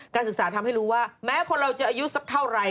ศึกษาทำให้รู้ว่าแม้คนเราจะอายุสักเท่าไหร่